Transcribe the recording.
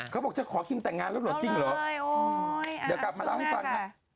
เขาบอกจะขอคิมแต่งงานแล้วเหรอจริงเหรอเดี๋ยวกลับมาเล่าให้ฟังฮะ